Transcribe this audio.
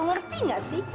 ngerti gak sih